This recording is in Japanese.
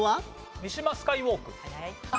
三島スカイウォーク。